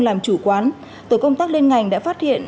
làm chủ quán tổ công tác liên ngành đã phát hiện